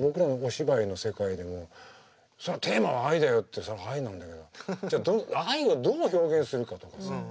僕らのお芝居の世界でもそりゃテーマは愛だよってさ愛なんだけどじゃあ愛をどう表現するかとかさ